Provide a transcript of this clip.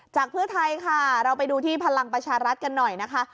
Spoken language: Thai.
เพื่อไทยค่ะเราไปดูที่พลังประชารัฐกันหน่อยนะคะ